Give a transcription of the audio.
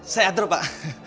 saya atur pak